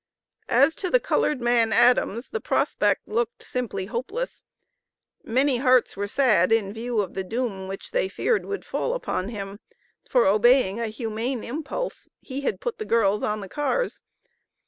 As to the colored man Adams, the prospect looked simply hopeless. Many hearts were sad in view of the doom which they feared would fall upon him for obeying a humane impulse (he had put the girls on the cars).